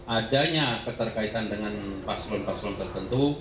adanya keterkaitan dengan paslon paslon tertentu